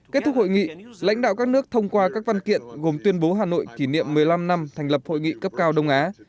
kết thúc hội nghị lãnh đạo các nước thông qua các văn kiện gồm tuyên bố hà nội kỷ niệm một mươi năm năm thành lập hội nghị cấp cao đông á